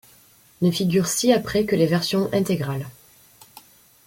Ne figurent ci-après que les versions intégrales.